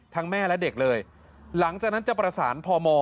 แม่และเด็กเลยหลังจากนั้นจะประสานพม